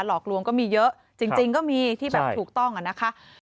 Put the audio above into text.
หลอกลวงก็มีเยอะจริงก็มีที่แบบถูกต้องอะนะคะ